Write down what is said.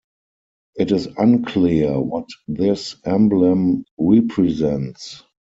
It is unclear what this emblem represents.